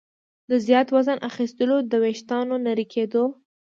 د زیات وزن اخیستلو، د ویښتانو نري کېدو